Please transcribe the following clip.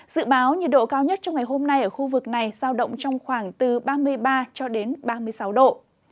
dự báo nhiệt độ cao nhất trong ngày hôm nay ở khu vực này sao động trong khoảng từ ba mươi ba ba mươi sáu độ